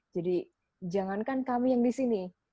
jadi jangankan kami yang di sini